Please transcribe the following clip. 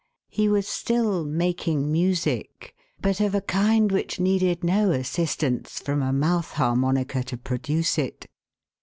He was still "making music," but of a kind which needed no assistance from a mouth harmonica to produce it.